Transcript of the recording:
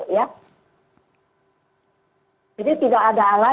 jadi tidak ada alas